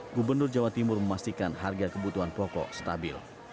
gubernur jawa timur memastikan harga kebutuhan pokok stabil